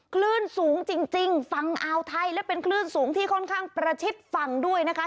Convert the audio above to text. คลื่นสูงจริงฝั่งอ่าวไทยและเป็นคลื่นสูงที่ค่อนข้างประชิดฝั่งด้วยนะคะ